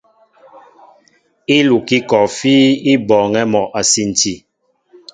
Ílukí kɔɔfí i bɔɔŋɛ́ mɔ a sinti.